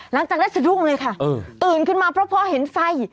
หลังจากนั้นสรุปไงค่ะอืมตื่นขึ้นมาเพราะพ่อเห็นไฟ